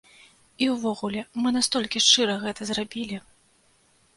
І ўвогуле, мы настолькі шчыра гэта зрабілі.